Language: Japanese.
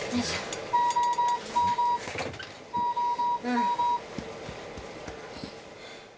うん。